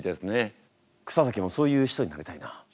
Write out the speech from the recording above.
草滝もそういう人になりたいな。